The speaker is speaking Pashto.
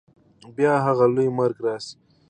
بیا هغه لوی مرګ راسي